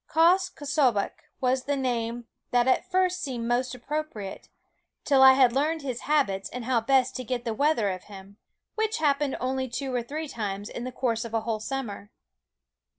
Quoskh K'sobeqh was the name that at first seemed most appropriate, till I had learned his habits and how best to get the weather of him which happened only two or three times in the course of a whole summer.